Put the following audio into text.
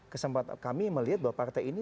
kesempatan kami melihat bahwa partai ini